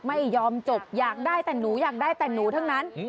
ไม่ยอมจบอยากได้แต่หนูอยากได้แต่หนูทั้งนั้น